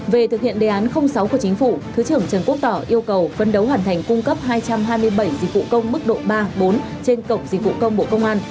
về thực hiện đề án sáu của chính phủ thứ trưởng trần quốc tỏ yêu cầu phân đấu hoàn thành cung cấp hai trăm hai mươi bảy dịch vụ công mức độ ba bốn trên cổng dịch vụ công bộ công an